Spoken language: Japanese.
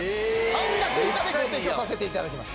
半額以下でご提供させて頂きます。